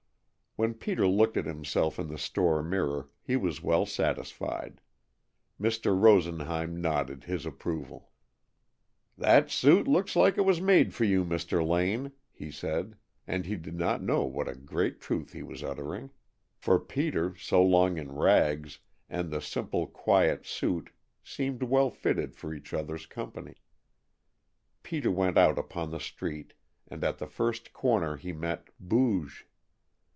When Peter looked at himself in the store mirror he was well satisfied. Mr. Rosenheim nodded his approval. "That suit looks like it was made for you, Mr. Lane," he said, and he did not know what a great truth he was uttering, for Peter, so long in rags, and the simple, quiet suit seemed well fitted for each other's company. Peter went out upon the street, and at the first corner he met Booge!